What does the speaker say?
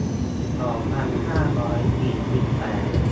สองพันห้าร้อยสี่สิบแปด